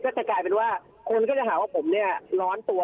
จะกลายเป็นว่าคนก็จะหาว่าผมเนี่ยร้อนตัว